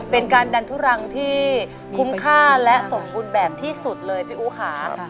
เป็นการดันทุรังที่คุ้มค่าและสมบูรณ์แบบที่สุดเลยพี่อู๋ค่ะ